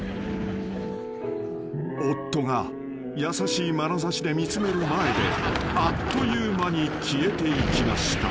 ［夫が優しいまなざしで見つめる前であっという間に消えていきました］